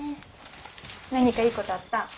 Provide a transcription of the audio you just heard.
何かいいことあった？